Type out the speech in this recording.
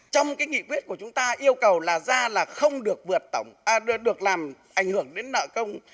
trong cái nghị quyết của chúng ta yêu cầu là ra là không được vượt tổng được làm ảnh hưởng đến nợ công